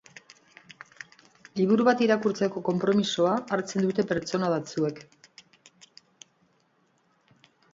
Liburu bat irakurtzeko konpromisoa hartzen dute pertsona batzuek.